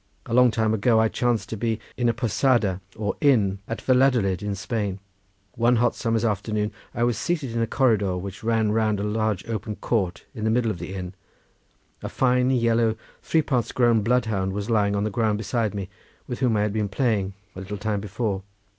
A long time ago I chanced to be in a posada, or inn, at Valladolid in Spain. One hot summer's afternoon I was seated in a corridor which ran round a large, open court in the middle of the inn; a fine yellow, three parts grown bloodhound was lying on the ground beside me, with whom I had been playing a little time before.